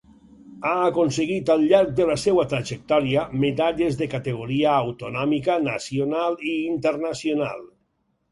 Ha aconseguit al llarg de la seua trajectòria medalles de categoria autonòmica, nacional i internacional.